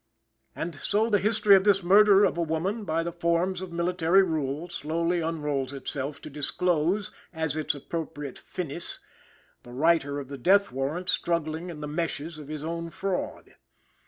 And so the history of this murder of a woman by the forms of military rule slowly unrolls itself, to disclose, as its appropriate finis, the writer of the death warrant struggling in the meshes of his own fraud.